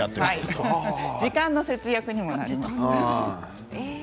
時間の節約にもなります。